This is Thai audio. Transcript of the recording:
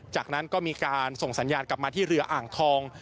จากนั้นก็มีการส่งสัญญาณกลับมาที่เรืออ่างทอง